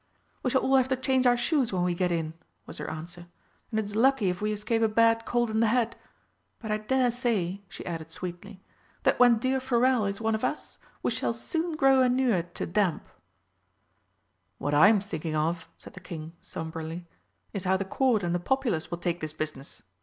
"We shall all have to change our shoes when we get in," was her answer. "And it is lucky if we escape a bad cold in the head. But I dare say," she added sweetly, "that when dear Forelle is one of us we shall soon grow inured to damp." "What I'm thinking of," said the King sombrely, "is how the Court and the populace will take this business.